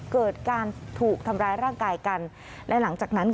เกิดการถูกทำร้ายร่างกายกันและหลังจากนั้นค่ะ